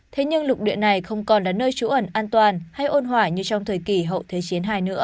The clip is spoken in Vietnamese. thế nhưng lục địa này không còn là nơi trú ẩn an toàn hay ôn hỏa như trong thời kỳ hậu thế chiến hai nữa